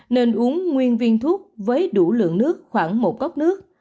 nên uống nguyên viên thuốc với đủ lượng nước khoảng một cốc nước